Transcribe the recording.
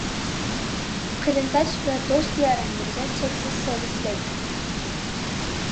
قېرىنداش ۋە دوست-يارەنلىرىگە چەكسىز سەۋر تىلەيمەن!